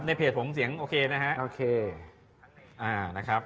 ในเพจผมเสียงโอเคนะฮะ